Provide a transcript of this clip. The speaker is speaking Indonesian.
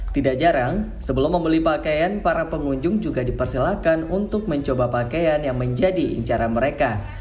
tidak jarang sebelum membeli pakaian para pengunjung juga dipersilakan untuk mencoba pakaian yang menjadi incaran mereka